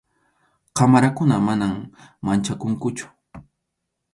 qamarakuna, manam manchakunkuchu.